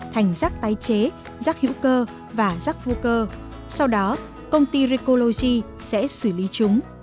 thành rác tái chế rác hữu cơ và rác vô cơ sau đó công ty recology sẽ xử lý chúng